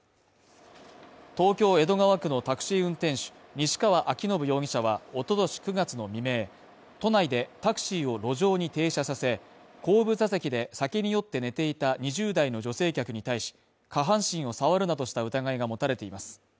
東京・江戸川区のタクシー運転手西川明伸容疑者は一昨年９月の未明、都内でタクシーを路上に停車させ、後部座席で、酒に酔って寝ていた２０代の女性客に対し、下半身を触るなどした疑いが持たれています。